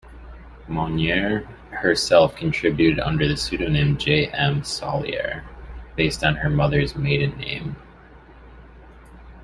Monnier herself contributed under the pseudonym J-M Sollier, based on her mother's maiden name.